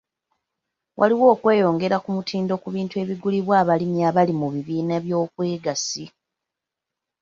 Waliwo okweyongera ku mutindo ku bintu ebigulibwa abalimi abali mu bibiina by'obwegassi.